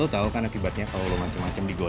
lu tau kan akibatnya kalo lu macem macem digolai